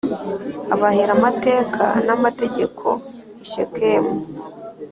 abahera amateka n ‘amategeko i Shekemu.